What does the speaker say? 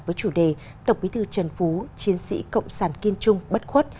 với chủ đề tổng bí thư trần phú chiến sĩ cộng sản kiên trung bất khuất